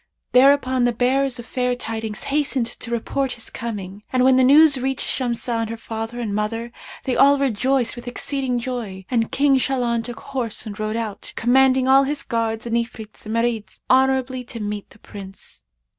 Thereupon the bearers of fair tidings hastened to report his coming and when the news reached Shamsah and her father and mother, they all rejoiced with exceeding joy, and King Shahlan took horse and rode out, commanding all his guards and Ifrits and Marids honourably to meet the Prince."